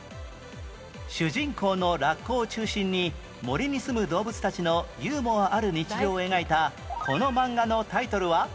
主人公のラッコを中心に森に住む動物たちのユーモアある日常を描いたこの漫画のタイトルは？